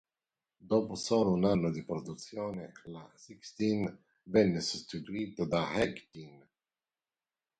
Dopo solo un anno di produzione, la Sixteen venne sostituita dalla Eighteen.